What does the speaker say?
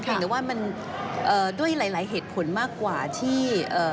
แต่ว่ามันด้วยหลายเหตุผลมากกว่าที่